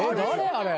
あれ。